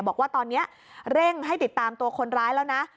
บอกว่าตอนนี้เร่งให้ติดตามตัวคนร้ายแล้วนะ